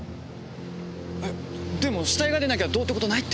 えでも死体が出なきゃどうって事ないって。